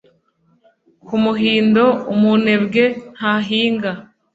Ku muhindo umunebwe ntahinga